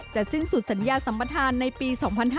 สิ้นสุดสัญญาสัมปทานในปี๒๕๕๙